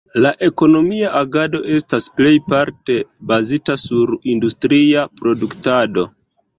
La ekonomia agado estas plejparte bazita sur industria produktado.